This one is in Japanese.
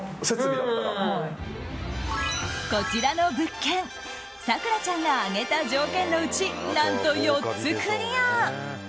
こちらの物件咲楽ちゃんが挙げた条件のうち何と４つクリア。